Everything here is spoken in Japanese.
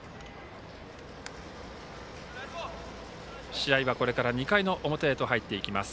試合は、これから２回の表へと入っていきます。